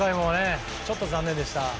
ちょっと残念でした。